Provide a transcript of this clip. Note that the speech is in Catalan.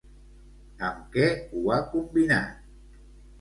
Amb què ho ha combinat?